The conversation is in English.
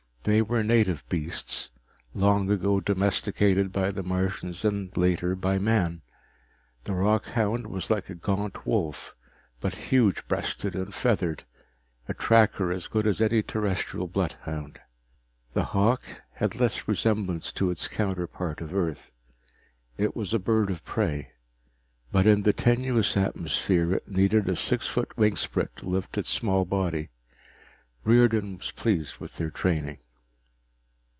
They were native beasts, long ago domesticated by the Martians and later by man. The rockhound was like a gaunt wolf, but huge breasted and feathered, a tracker as good as any Terrestrial bloodhound. The "hawk" had less resemblance to its counterpart of Earth: it was a bird of prey, but in the tenuous atmosphere it needed a six foot wingspread to lift its small body. Riordan was pleased with their training.